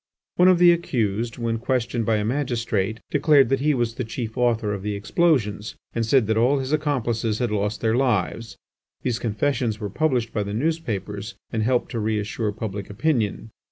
One of the accused, when questioned by a magistrate, declared that he was the chief author of the explosions, and said that all his accomplices had lost their lives. These confessions were published by the newspapers and helped to reassure public opinion.